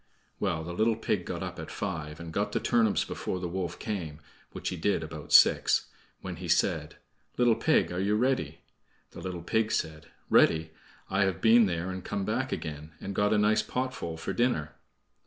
Well, the little pig got up at five, and got the turnips before the wolf came (which he did about six), when he said: "Little pig, are you ready?" The little pig said: "Ready! I have been there and come back again, and got a nice potful for dinner."